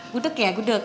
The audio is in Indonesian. guduk ya guduk